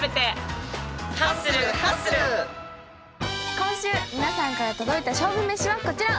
今週皆さんから届いた勝負めしはこちら。